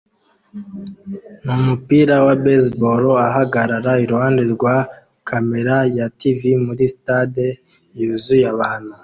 numupira wa baseball ahagarara iruhande rwa kamera ya TV muri stade yuzuye abantu